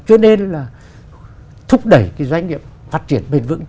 cho nên là thúc đẩy cái doanh nghiệp phát triển bền vững